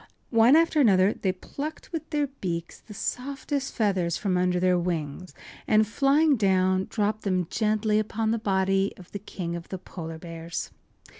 One after another they plucked with their beaks the softest feathers from under their wings, and, flying down, dropped then gently upon the body of the King of the Polar Bears.